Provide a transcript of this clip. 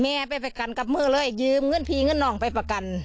แม่ไปประกันกับมือเลยยืมเงินผีเงินน้องไปประกัน